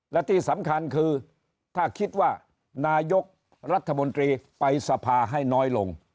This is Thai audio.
และที่สำคัญคือถ้าคิดว่านายกรัฐมนตรีไปสภาให้น้อยลง